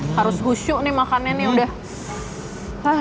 harus husyuk nih makannya nih udah